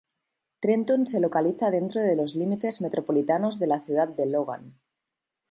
Trenton se localiza dentro de los límites metropolitanos de la ciudad de Logan.